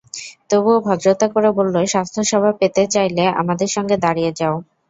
তবুও ভদ্রতা করে বলল, স্বাস্থ্যসেবা পেতে চাইলে আমাদের সঙ্গে দাঁড়িয়ে যাও।